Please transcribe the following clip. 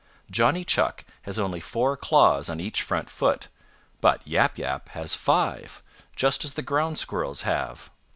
Johnny Chuck has only four claws on each front foot, but Yap Yap has five, just as the Ground Squirrels have.